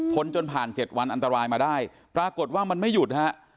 จนผ่าน๗วันอันตรายมาได้ปรากฏว่ามันไม่หยุดฮะ